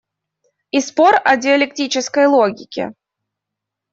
И спор о диалектической логике.